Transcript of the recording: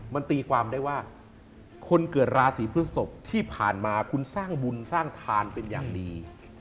มันตีความได้ว่าคนเกิดราศีพฤศพที่ผ่านมาคุณสร้างบุญสร้างทานเป็นอย่างดี